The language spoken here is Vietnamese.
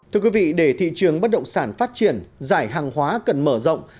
thưa quý vị để thị trường bất động sản phát triển giải hàng hóa cần mở rộng